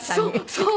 そう。